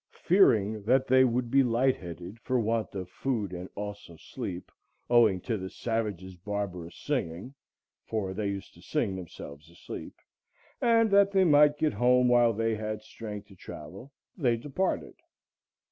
Fearing that they would be light headed for want of food and also sleep, owing to "the savages' barbarous singing, (for they used to sing themselves asleep,)" and that they might get home while they had strength to travel, they departed.